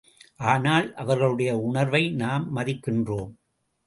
ஆனால் அவர்களுடைய உணர்வை நாம் மதிக்கின்றோம்!